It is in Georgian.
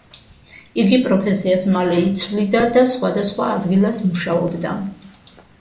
იგი პროფესიას მალე იცვლიდა და სხვადასხვა ადგილას მუშაობდა.